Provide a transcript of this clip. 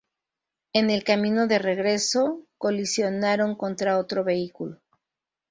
En el camino de regreso, colisionaron contra otro vehículo.